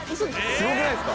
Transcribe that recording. すごくないっすか？